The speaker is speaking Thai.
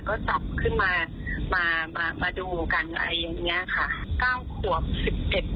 ก็สอบขึ้นมาดูกันอย่างนี้ค่ะ